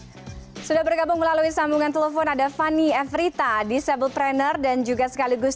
hai sudah bergabung melalui sambungan telepon ada fanny everita disable trainer dan juga sekaligus